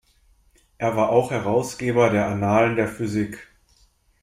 Er war auch Herausgeber der Annalen der Physik.